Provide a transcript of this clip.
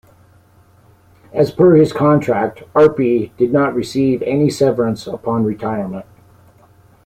As per his contract, Arpey did not receive any severance upon retirement.